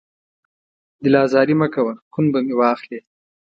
دل ازاري مه کوه، خون به مې واخلې